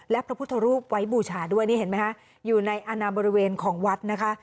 และพระพุทธรูปไว้บูชาด้วยนี่เห็นไหมคะอยู่ในอาณาบริเวณของวัดนะคะ